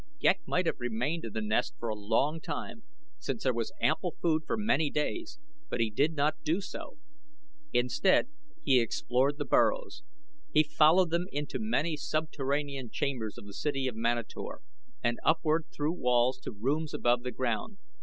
Ghek might have remained in the nest for a long time, since there was ample food for many days; but he did not do so. Instead he explored the burrows. He followed them into many subterranean chambers of the city of Manator, and upward through walls to rooms above the ground.